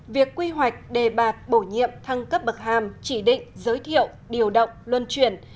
việc quy hoạch đề bạt bổ nhiệm thăng cấp bậc hàm chỉ định giới thiệu điều động luân chuyển